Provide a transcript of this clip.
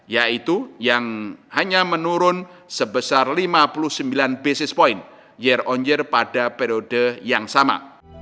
yaitu yang hanya menurun sebesar lima puluh sembilan basis point year on year pada periode yang sama